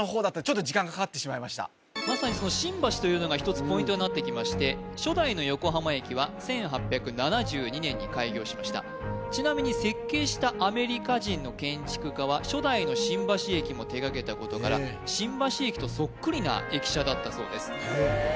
まさにその新橋というのが一つポイントになってきまして初代の横浜駅は１８７２年に開業しましたちなみに設計したアメリカ人の建築家は初代の新橋駅も手掛けたことから新橋駅とそっくりな駅舎だったそうです